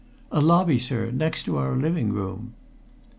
"A lobby, sir, next to our living room."